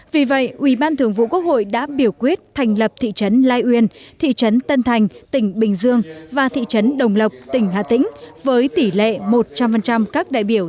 vì vậy ủy ban thường vụ quốc hội đã biểu quyết thành lập thị trấn lai uyên thị trấn tân thành tỉnh bình dương và thị trấn đồng lộc tỉnh hà tĩnh với tỷ lệ một trăm linh các đại biểu